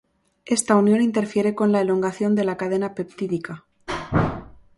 Esta unión interfiere con la elongación de la cadena peptídica.